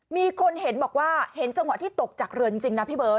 มีคนเห็นบอกว่าเห็นจังหวะที่ตกจากเรือจริงนะพี่เบิร์